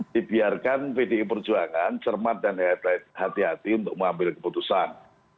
dibiarkan pdi perjuangan cermat dan hati hati untuk mengambil keputusan